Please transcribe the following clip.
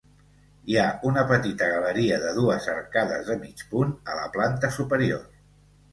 Hi ha una petita galeria de dues arcades de mig punt a la planta superior.